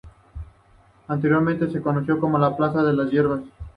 Anteriormente se le conoció como plaza de las hierbas.